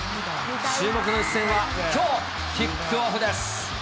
注目の一戦は、きょうキックオフです。